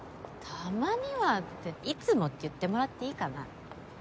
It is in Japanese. たまにはっていつもって言ってもらっていいかな。